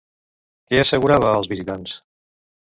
Què assegurava als visitants?